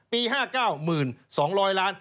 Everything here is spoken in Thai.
ปี๕๙๑๐๒๐๐ล้าน